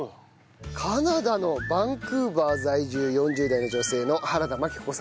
カナダのバンクーバー在住４０代の女性の原田麻紀子さんからです。